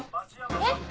えっ？